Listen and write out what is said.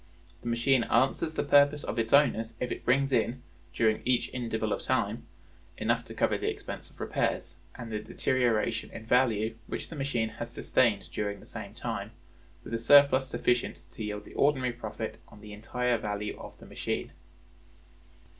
The machine answers the purpose of its owner if it brings in, during each interval of time, enough to cover the expense of repairs, and the deterioration in value which the machine has sustained during the same time, with a surplus sufficient to yield the ordinary profit on the entire value of the machine.